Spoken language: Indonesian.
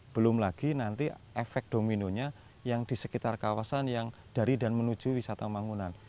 belum lagi nanti efek dominonya yang di sekitar kawasan yang dari dan menuju wisata mangunan